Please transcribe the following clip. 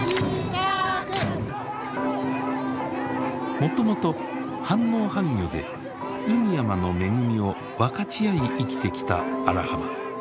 もともと半農半漁で海山の恵みを分かち合い生きてきた荒浜。